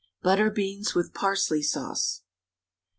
BUTTER BEANS WITH PARSLEY SAUCE.